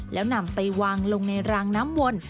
แล้วนำไปวางลงในรางน้ำวน